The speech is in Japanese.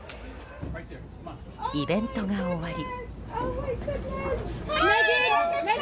イベントが終わり。